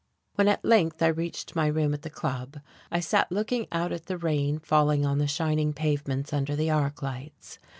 When at length I reached my room at the Club I sat looking out at the rain falling on the shining pavements under the arc lights.